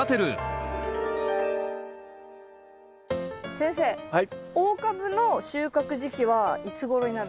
先生大株の収穫時期はいつごろになるんですか？